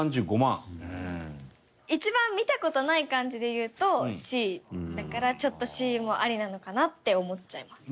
一番見た事ない感じでいうとＣだからちょっとＣもありなのかなって思っちゃいます。